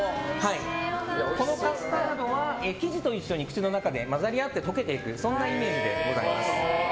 このカスタードは生地と一緒に口の中で混ざり合って溶けていくそんなイメージでございます。